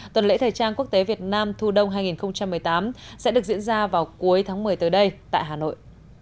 tuần lễ thời trang quốc tế việt nam thu đông hai nghìn một mươi tám sẽ được diễn ra vào cuối tháng một mươi tới đây tại hà nội